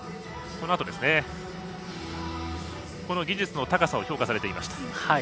技術の高さを評価されていました。